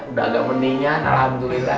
udah ada meningan alhamdulillah